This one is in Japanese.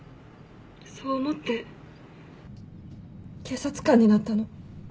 そう思って警察官になったの。